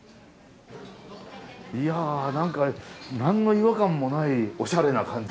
いや何か何の違和感もないおしゃれな感じが。